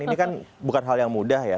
ini kan bukan hal yang mudah ya